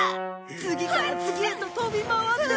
次から次へと飛び回っては。